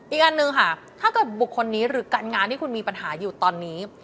อีกอันหนึ่งค่ะถ้าเกิดบุคคลนี้หรือการงานที่คุณมีปัญหาอยู่ตอนนี้